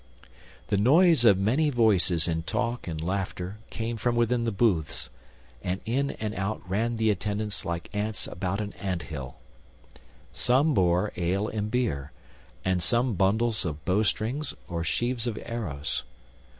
The noise of many voices in talk and laughter came from within the booths, and in and out ran the attendants like ants about an ant hill. Some bore ale and beer, and some bundles of bowstrings or sheaves of arrows.